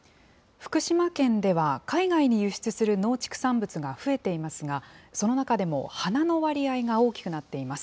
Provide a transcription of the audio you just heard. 福島県では海外に輸出する農畜産物が増えていますが、その中でも花の割合が大きくなっています。